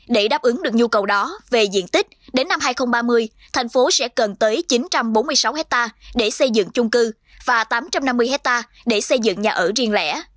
để đáp ứng được nhu cầu đó về diện tích đến năm hai nghìn ba mươi thành phố sẽ cần tới chín trăm bốn mươi sáu hectare để xây dựng chung cư và tám trăm năm mươi hectare để xây dựng nhà ở riêng lẻ